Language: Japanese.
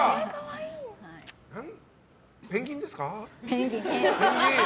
ペンギンです。